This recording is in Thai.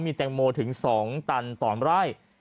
มีแตงโมถึง๒ตันต่อร้าย